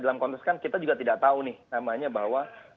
dalam konteks kan kita juga tidak tahu nih namanya bahwa